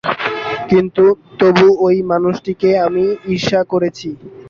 কিন্তু তবু ঐ মানুষটিকে আমি ঈর্ষা করেছি।